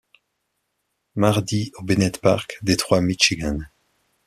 Mardi au Bennett Park, Détroit, Michigan.